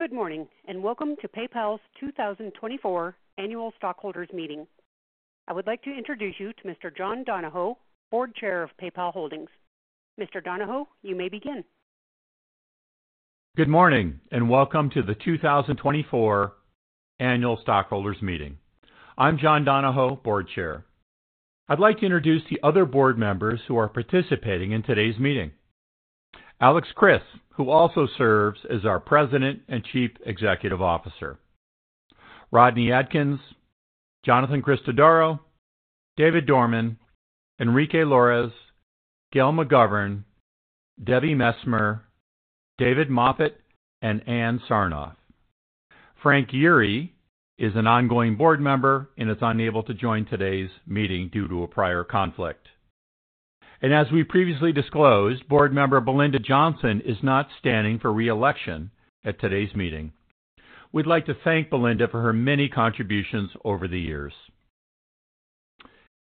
Good morning, and welcome to PayPal's 2024 Annual Stockholders Meeting. I would like to introduce you to Mr. John Donahoe, Board Chair of PayPal Holdings. Mr. Donahoe, you may begin. Good morning, and welcome to the 2024 Annual Stockholders Meeting. I'm John Donahoe, Board Chair. I'd like to introduce the other board members who are participating in today's meeting. Alex Chriss, who also serves as our President and Chief Executive Officer, Rodney Adkins, Jonathan Christodoro, David Dorman, Enrique Lores, Gail McGovern, Debbie Messemer, David Moffett, and Ann Sarnoff. Frank Yeary is an ongoing board member and is unable to join today's meeting due to a prior conflict. As we previously disclosed, board member Belinda Johnson is not standing for re-election at today's meeting. We'd like to thank Belinda for her many contributions over the years.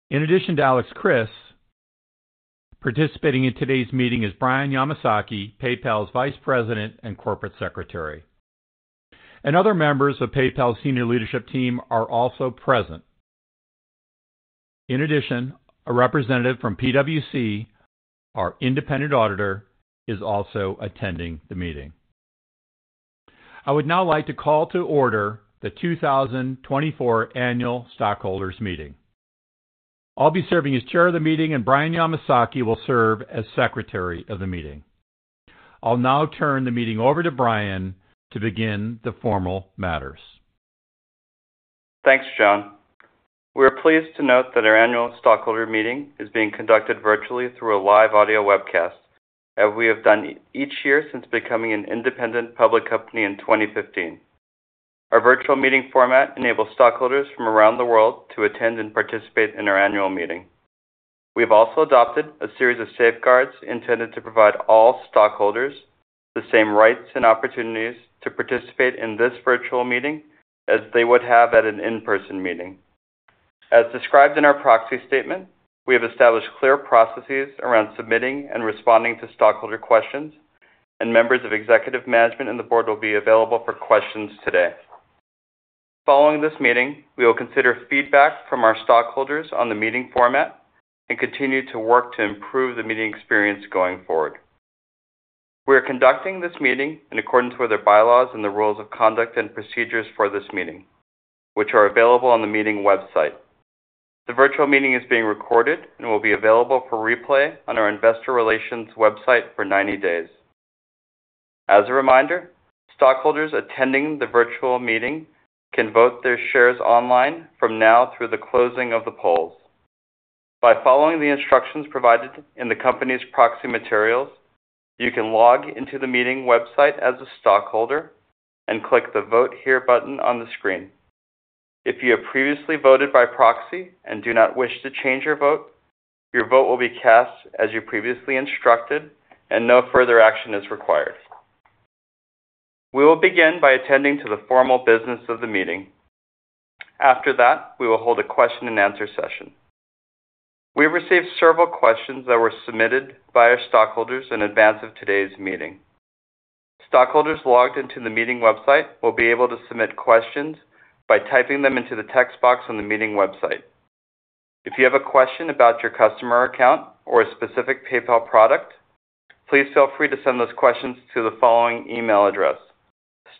In addition to Alex Chriss, participating in today's meeting is Brian Yamasaki, PayPal's Vice President and Corporate Secretary. Other members of PayPal's senior leadership team are also present. In addition, a representative from PwC, our independent auditor, is also attending the meeting. I would now like to call to order the 2024 Annual Stockholders Meeting. I'll be serving as chair of the meeting, and Brian Yamasaki will serve as secretary of the meeting. I'll now turn the meeting over to Brian to begin the formal matters. Thanks, John. We are pleased to note that our annual stockholder meeting is being conducted virtually through a live audio webcast, as we have done each year since becoming an independent public company in 2015. Our virtual meeting format enables stockholders from around the world to attend and participate in our annual meeting. We have also adopted a series of safeguards intended to provide all stockholders the same rights and opportunities to participate in this virtual meeting as they would have at an in-person meeting. As described in our proxy statement, we have established clear processes around submitting and responding to stockholder questions, and members of executive management and the board will be available for questions today. Following this meeting, we will consider feedback from our stockholders on the meeting format and continue to work to improve the meeting experience going forward. We are conducting this meeting in accordance with the bylaws and the rules of conduct and procedures for this meeting, which are available on the meeting website. The virtual meeting is being recorded and will be available for replay on our investor relations website for 90 days. As a reminder, stockholders attending the virtual meeting can vote their shares online from now through the closing of the polls. By following the instructions provided in the company's proxy materials, you can log into the meeting website as a stockholder and click the Vote Here button on the screen. If you have previously voted by proxy and do not wish to change your vote, your vote will be cast as you previously instructed, and no further action is required. We will begin by attending to the formal business of the meeting. After that, we will hold a question-and-answer session. We received several questions that were submitted by our stockholders in advance of today's meeting. Stockholders logged into the meeting website will be able to submit questions by typing them into the text box on the meeting website. If you have a question about your customer account or a specific PayPal product, please feel free to send those questions to the following email address: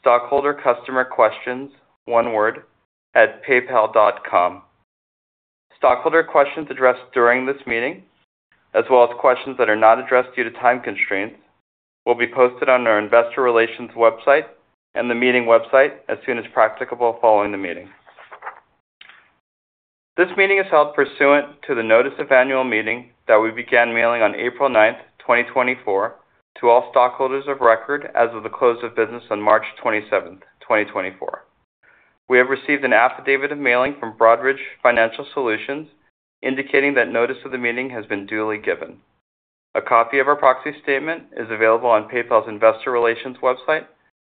shareholdercustomerquestions, one word, at paypal.com. Stockholder questions addressed during this meeting, as well as questions that are not addressed due to time constraints, will be posted on our investor relations website and the meeting website as soon as practicable following the meeting. This meeting is held pursuant to the notice of annual meeting that we began mailing on April 9, 2024, to all stockholders of record as of the close of business on March 27, 2024. We have received an affidavit of mailing from Broadridge Financial Solutions, indicating that notice of the meeting has been duly given. A copy of our proxy statement is available on PayPal's Investor Relations website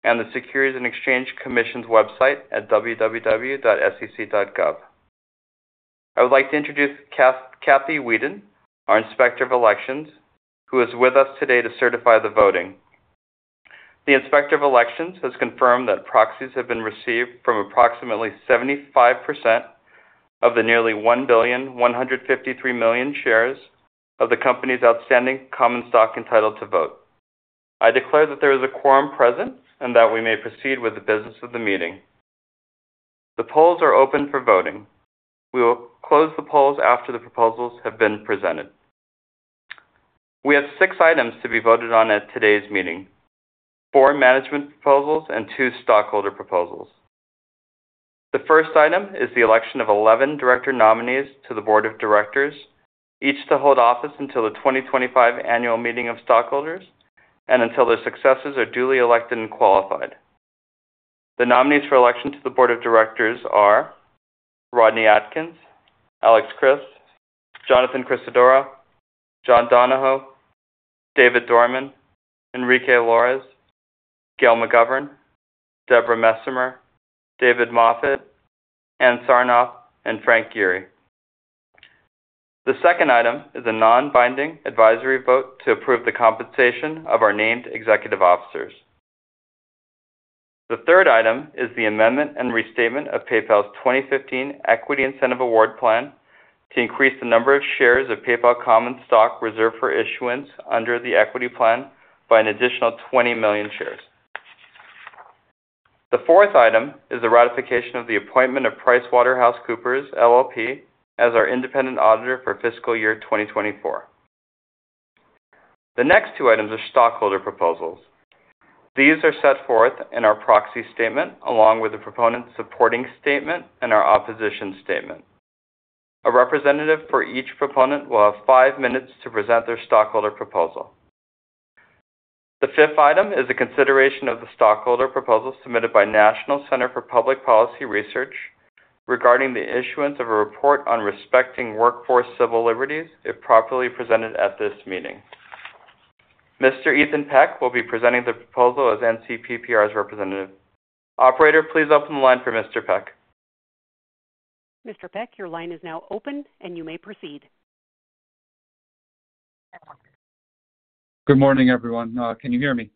and the Securities and Exchange Commission's website at www.sec.gov. I would like to introduce Kathy Wheadon, our Inspector of Elections, who is with us today to certify the voting. The Inspector of Elections has confirmed that proxies have been received from approximately 75% of the nearly 1,153 million shares of the company's outstanding common stock entitled to vote. I declare that there is a quorum present and that we may proceed with the business of the meeting. The polls are open for voting. We will close the polls after the proposals have been presented. We have six items to be voted on at today's meeting, four management proposals and two stockholder proposals. The first item is the election of 11 director nominees to the board of directors, each to hold office until the 2025 annual meeting of stockholders and until their successors are duly elected and qualified. The nominees for election to the board of directors are Rodney Adkins, Alex Chriss, Jonathan Christodoro, John Donahoe, David Dorman, Enrique Lores, Gail McGovern, Deborah Messemer, David Moffett, Ann Sarnoff, and Frank Yeary.... The second item is a non-binding advisory vote to approve the compensation of our named executive officers. The third item is the amendment and restatement of PayPal's 2015 Equity Incentive Award Plan to increase the number of shares of PayPal common stock reserved for issuance under the equity plan by an additional 20 million shares. The fourth item is the ratification of the appointment of PricewaterhouseCoopers LLP as our independent auditor for fiscal year 2024. The next two items are stockholder proposals. These are set forth in our Proxy Statement, along with the proponent's supporting statement and our opposition statement. A representative for each proponent will have 5 minutes to present their stockholder proposal. The fifth item is the consideration of the stockholder proposal submitted by National Center for Public Policy Research regarding the issuance of a report on respecting workforce civil liberties, if properly presented at this meeting. Mr. Ethan Peck will be presenting the proposal as NCPPR's representative. Operator, please open the line for Mr. Peck. Mr. Peck, your line is now open, and you may proceed. Good morning, everyone. Can you hear me?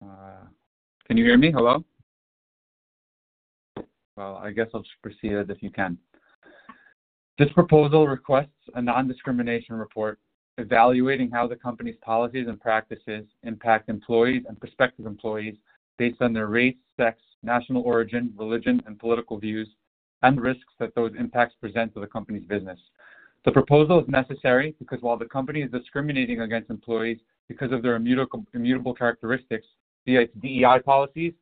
Can you hear me? Hello? Well, I guess I'll just proceed as if you can. This proposal requests a non-discrimination report evaluating how the company's policies and practices impact employees and prospective employees based on their race, sex, national origin, religion, and political views, and the risks that those impacts present to the company's business. The proposal is necessary because while the company is discriminating against employees because of their immutable characteristics, via its DEI policies,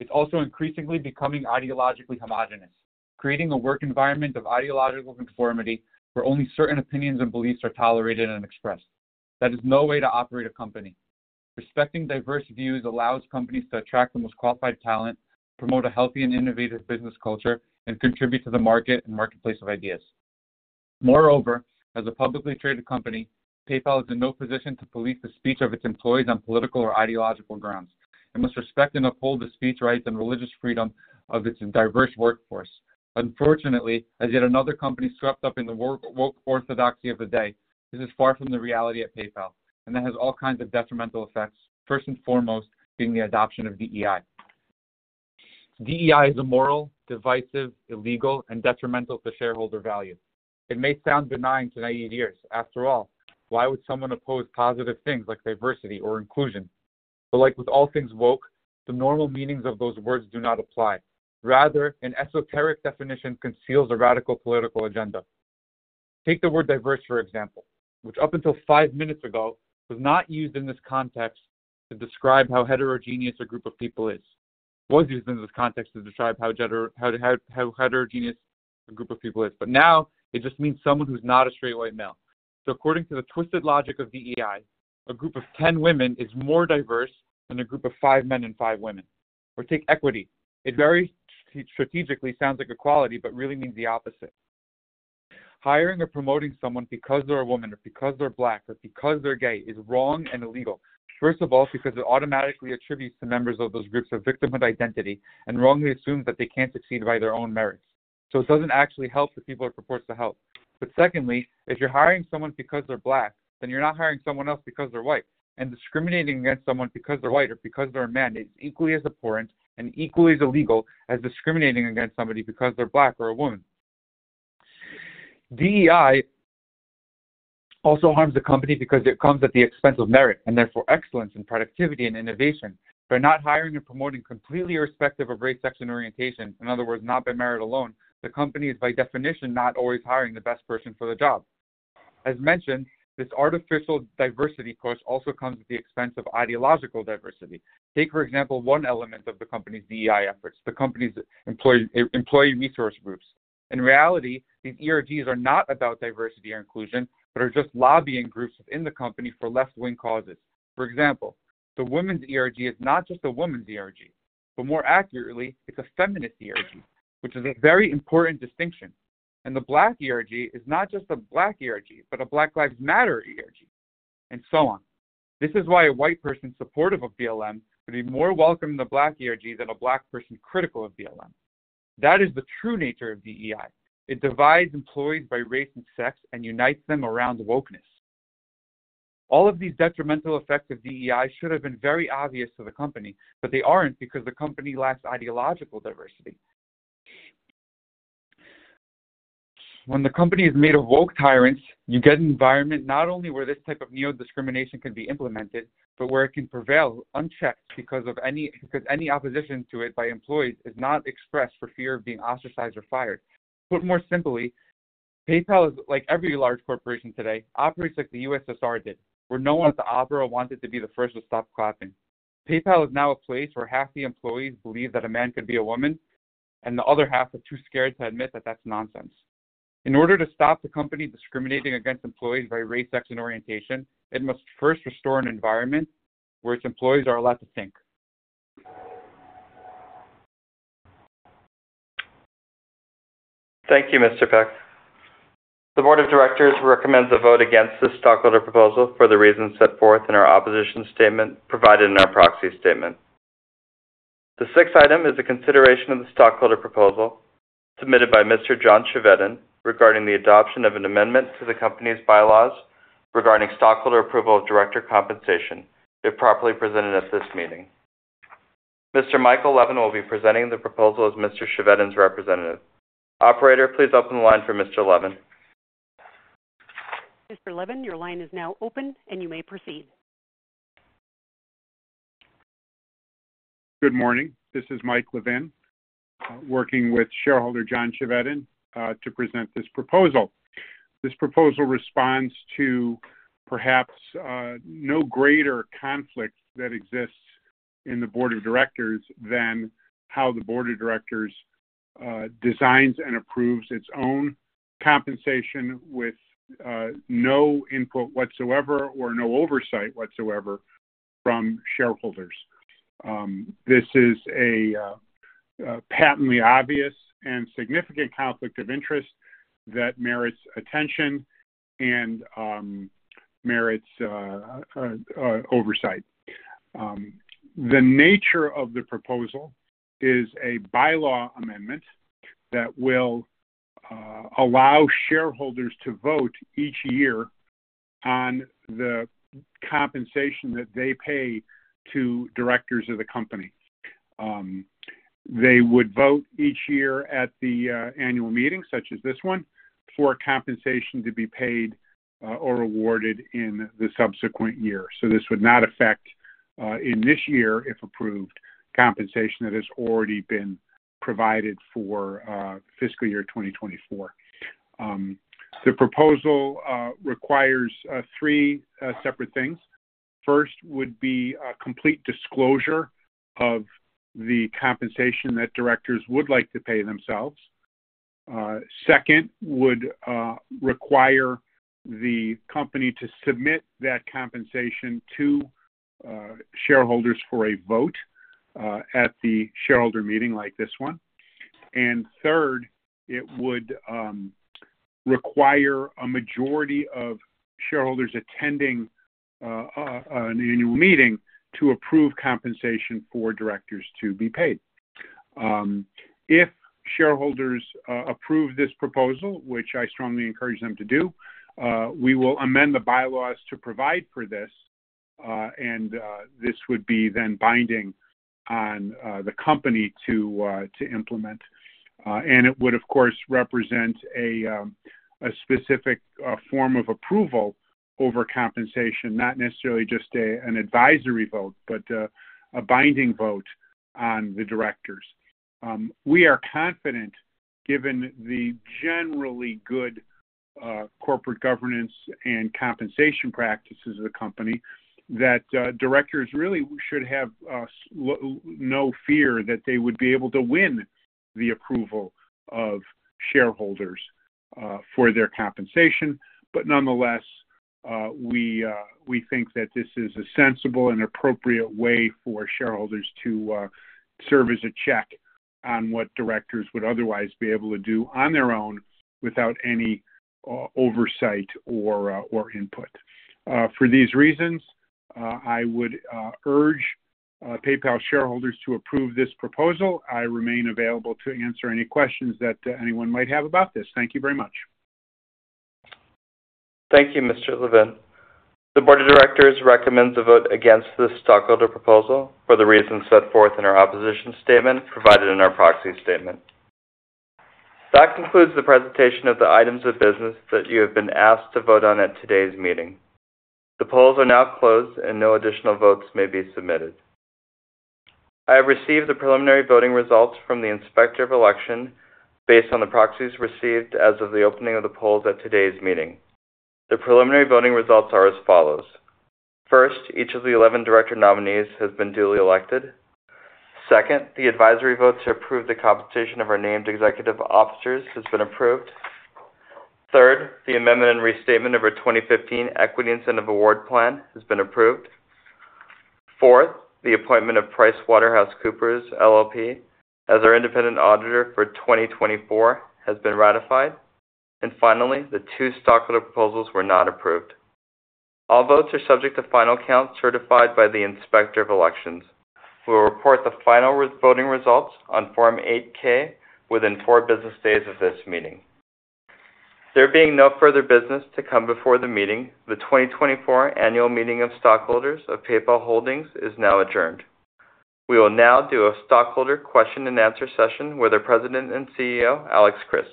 it's also increasingly becoming ideologically homogenous, creating a work environment of ideological conformity where only certain opinions and beliefs are tolerated and expressed. That is no way to operate a company. Respecting diverse views allows companies to attract the most qualified talent, promote a healthy and innovative business culture, and contribute to the market and marketplace of ideas. Moreover, as a publicly traded company, PayPal is in no position to police the speech of its employees on political or ideological grounds and must respect and uphold the speech rights and religious freedom of its diverse workforce. Unfortunately, as yet another company swept up in the work-woke orthodoxy of the day, this is far from the reality at PayPal, and that has all kinds of detrimental effects, first and foremost, being the adoption of DEI. DEI is immoral, divisive, illegal, and detrimental to shareholder value. It may sound benign to naive ears. After all, why would someone oppose positive things like diversity or inclusion? But like with all things woke, the normal meanings of those words do not apply. Rather, an esoteric definition conceals a radical political agenda. Take the word diverse, for example, which up until five minutes ago, was not used in this context to describe how heterogeneous a group of people is. It was used in this context to describe how gender heterogeneous a group of people is, but now it just means someone who's not a straight white male. So according to the twisted logic of DEI, a group of 10 women is more diverse than a group of five men and five women. Or take equity. It very strategically sounds like equality, but really means the opposite. Hiring or promoting someone because they're a woman, or because they're Black, or because they're gay, is wrong and illegal. First of all, because it automatically attributes to members of those groups a victimhood identity and wrongly assumes that they can't succeed by their own merits. So it doesn't actually help the people it purports to help. But secondly, if you're hiring someone because they're Black, then you're not hiring someone else because they're white, and discriminating against someone because they're white or because they're a man is equally as abhorrent and equally as illegal as discriminating against somebody because they're black or a woman. DEI also harms the company because it comes at the expense of merit, and therefore excellence and productivity and innovation. By not hiring and promoting completely irrespective of race, sex, and orientation, in other words, not by merit alone, the company is by definition, not always hiring the best person for the job. As mentioned, this artificial diversity push also comes at the expense of ideological diversity. Take, for example, one element of the company's DEI efforts, the company's employee resource groups. In reality, these ERGs are not about diversity or inclusion, but are just lobbying groups within the company for left-wing causes. For example, the women's ERG is not just a women's ERG, but more accurately, it's a feminist ERG, which is a very important distinction. The Black ERG is not just a Black ERG, but a Black Lives Matter ERG, and so on. This is why a white person supportive of BLM would be more welcome in the Black ERG than a Black person critical of BLM. That is the true nature of DEI. It divides employees by race and sex and unites them around wokeness. All of these detrimental effects of DEI should have been very obvious to the company, but they aren't because the company lacks ideological diversity. When the company is made of woke tyrants, you get an environment not only where this type of neo-discrimination can be implemented, but where it can prevail unchecked because any opposition to it by employees is not expressed for fear of being ostracized or fired. Put more simply, PayPal is like every large corporation today, operates like the USSR did, where no one at the opera wanted to be the first to stop clapping. PayPal is now a place where half the employees believe that a man could be a woman, and the other half are too scared to admit that that's nonsense. In order to stop the company discriminating against employees by race, sex, and orientation, it must first restore an environment where its employees are allowed to think. Thank you, Mr. Peck. The board of directors recommends a vote against this stockholder proposal for the reasons set forth in our opposition statement provided in our proxy statement. The sixth item is a consideration of the stockholder proposal submitted by Mr. John Chevedden regarding the adoption of an amendment to the company's bylaws regarding stockholder approval of director compensation, if properly presented at this meeting. Mr. Michael Levin will be presenting the proposal as Mr. Chevedden's representative. Operator, please open the line for Mr. Levin. Mr. Levin, your line is now open and you may proceed. Good morning. This is Mike Levin, working with shareholder John Chevedden, to present this proposal. This proposal responds to perhaps, no greater conflict that exists in the board of directors than how the board of directors, designs and approves its own compensation with, no input whatsoever or no oversight whatsoever from shareholders. This is a, patently obvious and significant conflict of interest that merits attention and, merits, oversight. The nature of the proposal is a bylaw amendment that will, allow shareholders to vote each year on the compensation that they pay to directors of the company. They would vote each year at the, annual meeting, such as this one, for compensation to be paid, or awarded in the subsequent year. This would not affect, in this year, if approved, compensation that has already been provided for, fiscal year 2024. The proposal requires three separate things. First, would be a complete disclosure of the compensation that directors would like to pay themselves. Second, would require the company to submit that compensation to shareholders for a vote at the shareholder meeting like this one. And third, it would require a majority of shareholders attending an annual meeting to approve compensation for directors to be paid. If shareholders approve this proposal, which I strongly encourage them to do, we will amend the bylaws to provide for this, and this would be then binding on the company to implement. And it would, of course, represent a specific form of approval over compensation, not necessarily just an advisory vote, but a binding vote on the directors. We are confident, given the generally good corporate governance and compensation practices of the company, that directors really should have no fear that they would be able to win the approval of shareholders for their compensation. But nonetheless, we we think that this is a sensible and appropriate way for shareholders to serve as a check on what directors would otherwise be able to do on their own without any oversight or or input. For these reasons, I would urge PayPal shareholders to approve this proposal. I remain available to answer any questions that anyone might have about this. Thank you very much. Thank you, Mr. Levin. The board of directors recommends a vote against this stockholder proposal for the reasons set forth in our opposition statement provided in our proxy statement. That concludes the presentation of the items of business that you have been asked to vote on at today's meeting. The polls are now closed and no additional votes may be submitted. I have received the preliminary voting results from the Inspector of Elections based on the proxies received as of the opening of the polls at today's meeting. The preliminary voting results are as follows: First, each of the 11 director nominees has been duly elected. Second, the advisory vote to approve the compensation of our named executive officers has been approved. Third, the amendment and restatement of our 2015 Equity Incentive Award Plan has been approved. Fourth, the appointment of PricewaterhouseCoopers LLP as our independent auditor for 2024 has been ratified. Finally, the two stockholder proposals were not approved. All votes are subject to final count, certified by the Inspector of Elections. We will report the final voting results on Form 8-K within four business days of this meeting. There being no further business to come before the meeting, the 2024 annual meeting of stockholders of PayPal Holdings is now adjourned. We will now do a stockholder question and answer session with our President and CEO, Alex Chriss.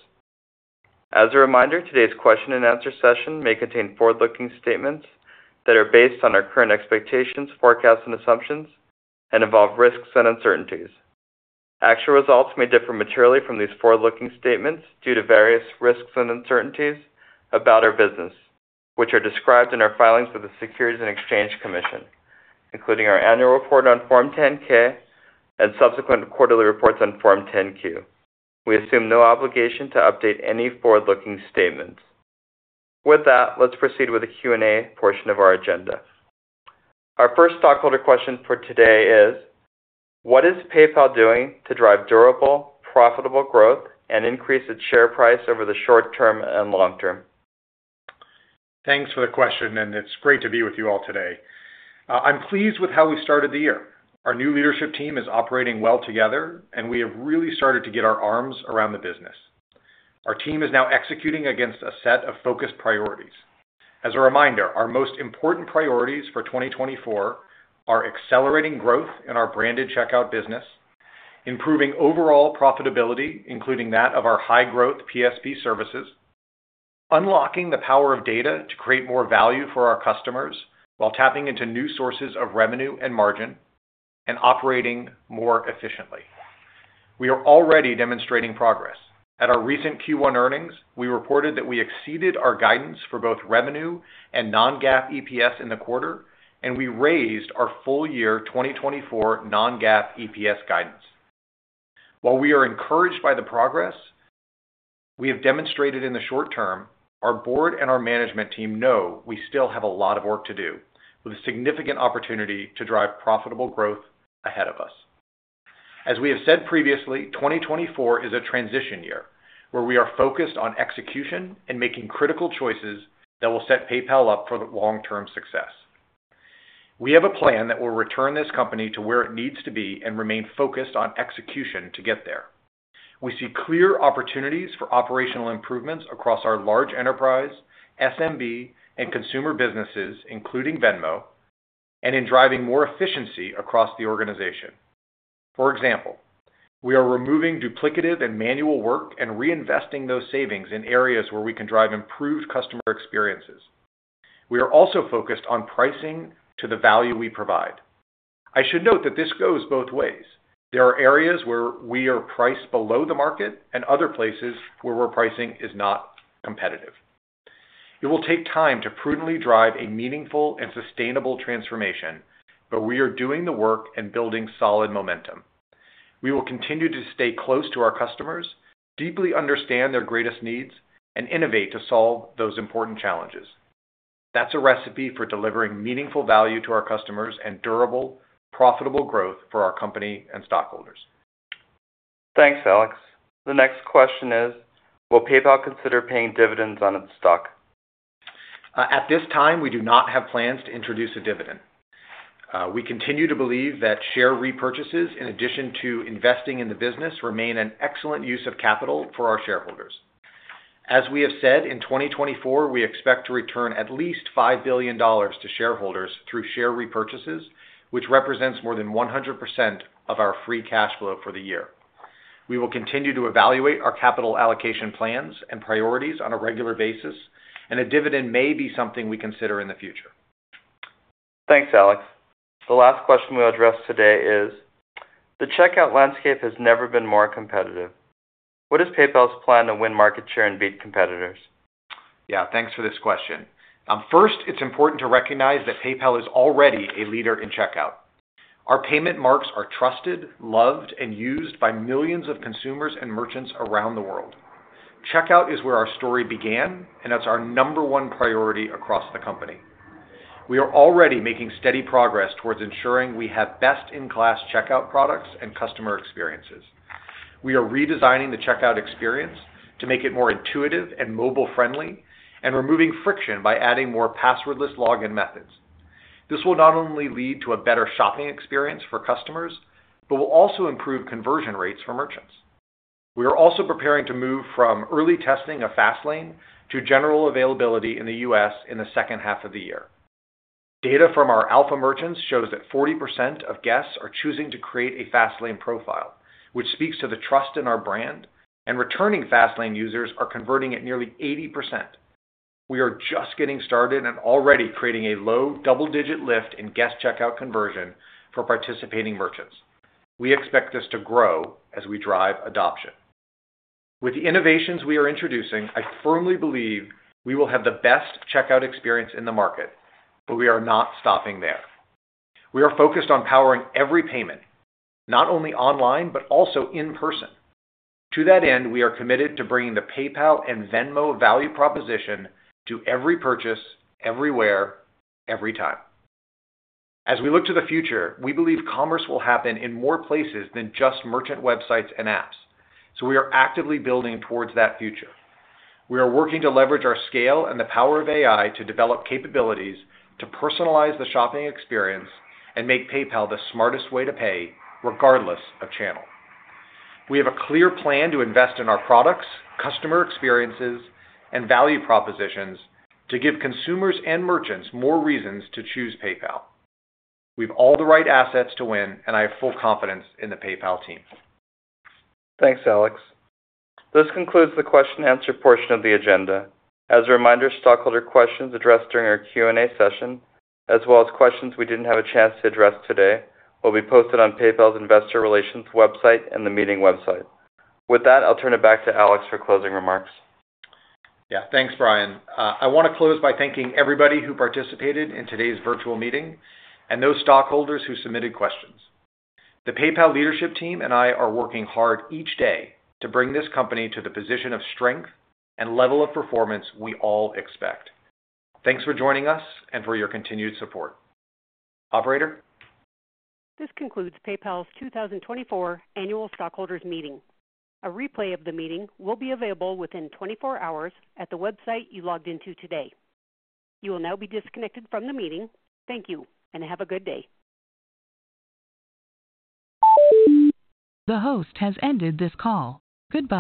As a reminder, today's question and answer session may contain forward-looking statements that are based on our current expectations, forecasts and assumptions, and involve risks and uncertainties. Actual results may differ materially from these forward-looking statements due to various risks and uncertainties about our business, which are described in our filings with the Securities and Exchange Commission, including our annual report on Form 10-K and subsequent quarterly reports on Form 10-Q. We assume no obligation to update any forward-looking statements. With that, let's proceed with the Q&A portion of our agenda. Our first stockholder question for today is: What is PayPal doing to drive durable, profitable growth and increase its share price over the short term and long term?... Thanks for the question, and it's great to be with you all today. I'm pleased with how we started the year. Our new leadership team is operating well together, and we have really started to get our arms around the business. Our team is now executing against a set of focused priorities. As a reminder, our most important priorities for 2024 are accelerating growth in our branded checkout business, improving overall profitability, including that of our high-growth PSP services, unlocking the power of data to create more value for our customers while tapping into new sources of revenue and margin, and operating more efficiently. We are already demonstrating progress. At our recent Q1 earnings, we reported that we exceeded our guidance for both revenue and non-GAAP EPS in the quarter, and we raised our full year 2024 non-GAAP EPS guidance. While we are encouraged by the progress we have demonstrated in the short term, our board and our management team know we still have a lot of work to do, with a significant opportunity to drive profitable growth ahead of us. As we have said previously, 2024 is a transition year, where we are focused on execution and making critical choices that will set PayPal up for the long-term success. We have a plan that will return this company to where it needs to be and remain focused on execution to get there. We see clear opportunities for operational improvements across our large enterprise, SMB, and consumer businesses, including Venmo, and in driving more efficiency across the organization. For example, we are removing duplicative and manual work and reinvesting those savings in areas where we can drive improved customer experiences. We are also focused on pricing to the value we provide. I should note that this goes both ways. There are areas where we are priced below the market and other places where our pricing is not competitive. It will take time to prudently drive a meaningful and sustainable transformation, but we are doing the work and building solid momentum. We will continue to stay close to our customers, deeply understand their greatest needs, and innovate to solve those important challenges. That's a recipe for delivering meaningful value to our customers and durable, profitable growth for our company and stockholders. Thanks, Alex. The next question is, will PayPal consider paying dividends on its stock? At this time, we do not have plans to introduce a dividend. We continue to believe that share repurchases, in addition to investing in the business, remain an excellent use of capital for our shareholders. As we have said, in 2024, we expect to return at least $5 billion to shareholders through share repurchases, which represents more than 100% of our Free Cash Flow for the year. We will continue to evaluate our capital allocation plans and priorities on a regular basis, and a dividend may be something we consider in the future. Thanks, Alex. The last question we'll address today is: the checkout landscape has never been more competitive. What is PayPal's plan to win market share and beat competitors? Yeah, thanks for this question. First, it's important to recognize that PayPal is already a leader in checkout. Our payment methods are trusted, loved, and used by millions of consumers and merchants around the world. Checkout is where our story began, and that's our number one priority across the company. We are already making steady progress towards ensuring we have best-in-class checkout products and customer experiences. We are redesigning the checkout experience to make it more intuitive and mobile-friendly, and removing friction by adding more passwordless login methods. This will not only lead to a better shopping experience for customers, but will also improve conversion rates for merchants. We are also preparing to move from early testing of Fastlane to general availability in the US in the second half of the year. Data from our alpha merchants shows that 40% of guests are choosing to create a Fastlane profile, which speaks to the trust in our brand, and returning Fastlane users are converting at nearly 80%. We are just getting started and already creating a low double-digit lift in guest checkout conversion for participating merchants. We expect this to grow as we drive adoption. With the innovations we are introducing, I firmly believe we will have the best checkout experience in the market, but we are not stopping there. We are focused on powering every payment, not only online, but also in person. To that end, we are committed to bringing the PayPal and Venmo value proposition to every purchase, everywhere, every time. As we look to the future, we believe commerce will happen in more places than just merchant websites and apps, so we are actively building towards that future. We are working to leverage our scale and the power of AI to develop capabilities to personalize the shopping experience and make PayPal the smartest way to pay, regardless of channel. We have a clear plan to invest in our products, customer experiences, and value propositions to give consumers and merchants more reasons to choose PayPal. We've all the right assets to win, and I have full confidence in the PayPal team. Thanks, Alex. This concludes the question and answer portion of the agenda. As a reminder, stockholder questions addressed during our Q&A session, as well as questions we didn't have a chance to address today, will be posted on PayPal's Investor Relations website and the meeting website. With that, I'll turn it back to Alex for closing remarks. Yeah. Thanks, Brian. I want to close by thanking everybody who participated in today's virtual meeting and those stockholders who submitted questions. The PayPal leadership team and I are working hard each day to bring this company to the position of strength and level of performance we all expect. Thanks for joining us and for your continued support. Operator? This concludes PayPal's 2024 Annual Stockholders Meeting. A replay of the meeting will be available within 24 hours at the website you logged into today. You will now be disconnected from the meeting. Thank you, and have a good day. The host has ended this call. Goodbye.